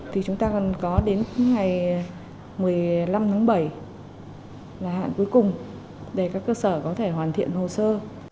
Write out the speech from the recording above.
thì chúng ta còn có đến ngày một mươi năm tháng bảy là hạn cuối cùng để các cơ sở có thể hoàn thiện hồ sơ